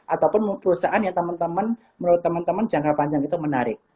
ataupun perusahaan yang teman teman menurut teman teman jangka panjang itu menarik